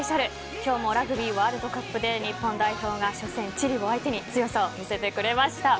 今日もラグビーワールドカップで日本代表が初戦チリを相手に強さを見せてくれました。